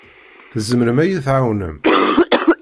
Tzemrem ad iyi-tɛawnem?